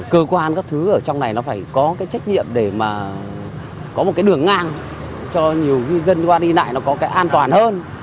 cơ quan ở trong này phải có trách nhiệm để có đường ngang cho nhiều dân qua đi lại có cái an toàn hơn